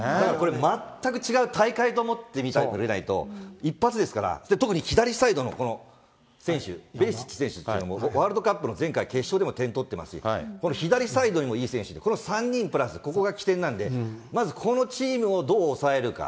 全く違う大会と思って見ないと、一発ですから、特に左サイドのこの選手、ベリシッチ選手というのもワールドカップの前回、決勝でも点取ってますし、この左サイドの選手、この３人プラス、ここが起点なんで、どう抑えるか。